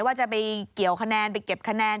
ว่าจะไปเกี่ยวคะแนนไปเก็บคะแนน